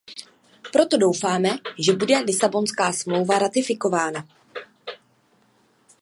Proto doufáme, že bude Lisabonská smlouva ratifikována.